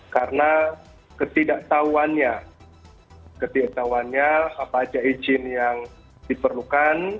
karena ketidaktahuannya ketidaktahuannya apa saja izin yang diperlukan